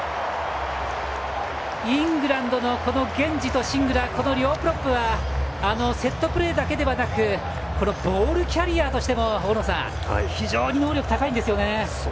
イングランドのゲンジとシンクラー両プロップがセットプレーだけではなくボールキャリアーとしての非常に能力が高いんですね。